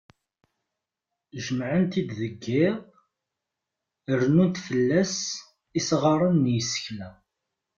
Jemεent-t-id deg yiḍ, rennunt fell-as isγaren n yisekla.